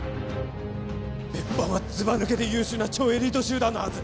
別班はずば抜けて優秀な超エリート集団のはず